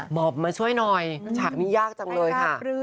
บอกมาช่วยหน่อยฉากนี้ยากจังเลยค่ะ